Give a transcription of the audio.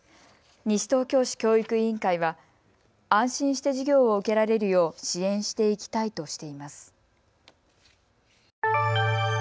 西東京市教育委員会は安心して授業を受けられるよう支援していきたいとしています。